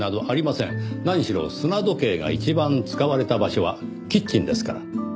何しろ砂時計が一番使われた場所はキッチンですから。